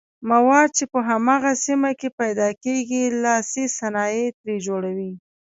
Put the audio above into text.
مواد چې په هماغه سیمه کې پیداکیږي لاسي صنایع ترې جوړوي.